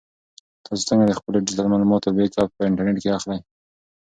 تاسو څنګه د خپلو ډیجیټل معلوماتو بیک اپ په انټرنیټ کې اخلئ؟